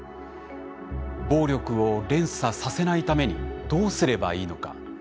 暴力を連鎖させないためにどうすればいいのか。